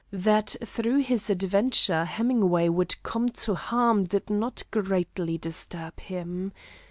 That through his adventure Hemingway would come to harm did not greatly disturb him.